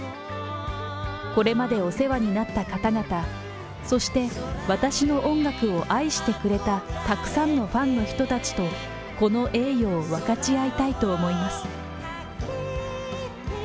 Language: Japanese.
これまでお世話になった方々、そして私の音楽を愛してくれたたくさんのファンの人たちと、この栄誉を分かち合いたいと思います。